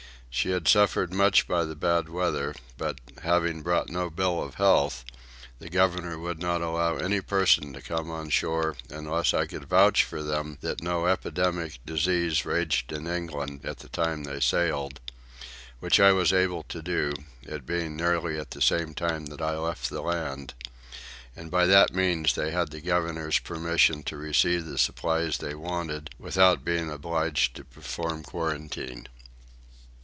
She had suffered much by the bad weather but, having brought no bill of health, the governor would not allow any person to come on shore unless I could vouch for them that no epidemic disease raged in England at the time they sailed, which I was able to do, it being nearly at the same time that I left the land; and by that means they had the governor's permission to receive the supplies they wanted without being obliged to perform quarantine.